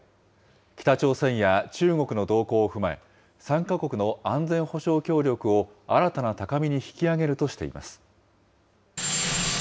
北朝鮮や中国の動向を踏まえ、３か国の安全保障協力を新たな高みに引き上げるとしています。